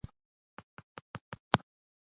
ډېرو ښځو خپلې زدهکړې بشپړې کړې دي.